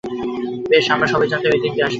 বেশ, আমরা সবাই জানতাম এই দিনটি আসবে।